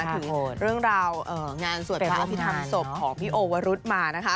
ถึงเรื่องราวงานสวดพระอภิษฐรรมศพของพี่โอวรุธมานะคะ